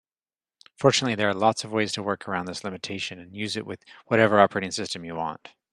Fortunately, there are lots of ways to work around this limitation and use it with whatever operating system you want.